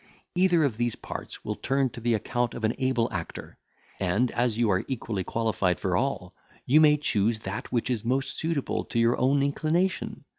"Either of these parts will turn to the account of an able actor; and, as you are equally qualified for all, you may choose that which is most suitable to your own inclination.